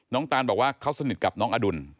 ตานบอกว่าเขาสนิทกับน้องอดุล